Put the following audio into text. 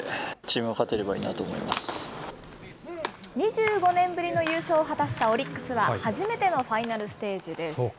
２５年ぶりの優勝を果たしたオリックスは初めてのファイナルステージです。